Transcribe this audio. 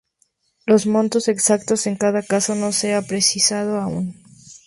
Los montos exactos en cada caso no se han precisado aún.